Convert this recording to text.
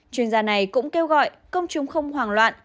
chuyên gia này cũng kêu gọi công chúng không hoảng loạn